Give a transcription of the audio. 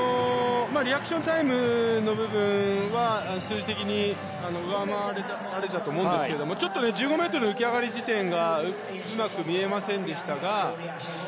リアクションタイムの部分は数字的に、上回られたと思うんですけどちょっと１５ｍ浮き上がり時点がうまく見えませんでしたが。